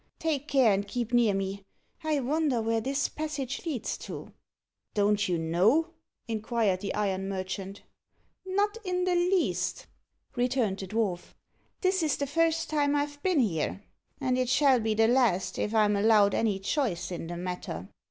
"Take care and keep near me. I wonder where this passage leads to?" "Don't you know?" inquired the iron merchant. "Not in the least," returned the dwarf. "This is the first time I've been here and it shall be the last, if I'm allowed any choice in the matter."